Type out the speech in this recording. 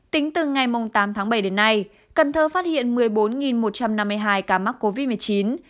tính từ ngày tám tháng bảy đến nay cần thơ phát hiện một mươi bốn một trăm năm mươi hai ca mắc covid một mươi chín